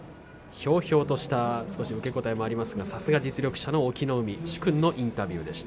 ひょうひょうとした受け答えもありますがさすがは実力者の隠岐の海殊勲のインタビューでした。